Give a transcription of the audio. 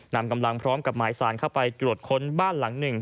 นำกำลังพร้อมกับหมายสารเข้าไปตรวจค้นบ้านหลังหนึ่ง